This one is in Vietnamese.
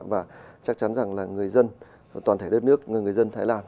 và chắc chắn rằng là người dân toàn thể đất nước người dân thái lan